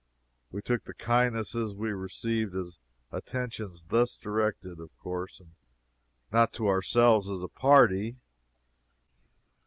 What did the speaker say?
We took the kindnesses we received as attentions thus directed, of course, and not to ourselves as a party.